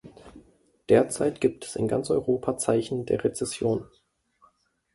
Derzeit gibt es in ganz Europa Zeichen der Rezession.